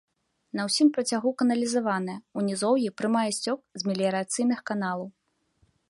На ўсім працягу каналізаваная, у нізоўі прымае сцёк з меліярацыйных каналаў.